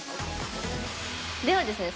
ではですね